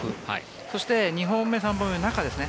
そして、２本目３本目は中ですね